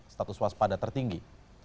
status waspada tertinggi